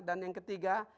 dan yang ketiga